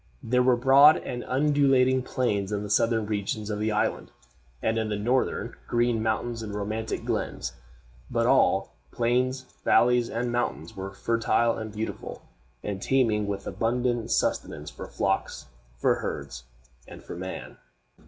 There were broad and undulating plains in the southern regions of the island, and in the northern, green mountains and romantic glens; but all, plains, valleys, and mountains, were fertile and beautiful, and teeming with abundant sustenance for flocks, for herds, and for man.